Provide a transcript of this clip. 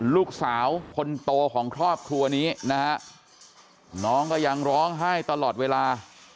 ลูกสาวคนโตของครอบครัวนี้นะฮะน้องก็ยังร้องไห้ตลอดเวลา